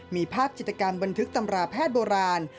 มีภาพจิตกรรมบันทึกตำราแพทย์โบราณ